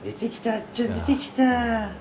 あっちゃん出てきた！」